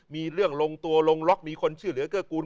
มีเรื่องลงตัวลงล็อกมีคนช่วยเหลือเกื้อกูล